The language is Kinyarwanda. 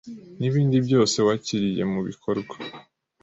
nibindi byose wakiriye mubikorwa